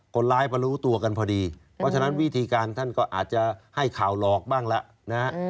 คนร้ายมารู้ตัวกันพอดีเพราะฉะนั้นวิธีการท่านก็อาจจะให้ข่าวหลอกบ้างละนะฮะ